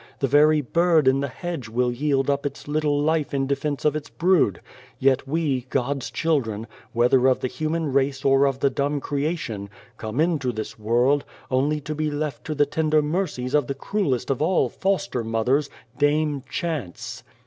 The very bird in the hedge will yield up its little life in defence of its brood. Yet we, God's children whether of the human race or of the dumb creation come into this world, only to be left to the tender mercies of the cruellest of all foster mothers, Dame Chance.